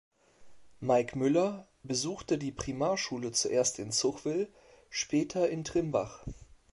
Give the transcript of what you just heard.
Mike Müller besuchte die Primarschule zuerst in Zuchwil, später in Trimbach.